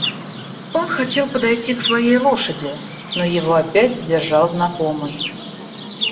Он хотел подойти к своей лошади, но его опять задержал знакомый.